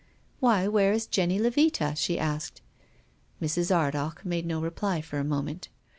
" Why, where is Jenny Levita?" she asked. Mrs. Ardagh made no reply for a moment.